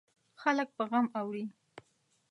خلک په غم اړوي.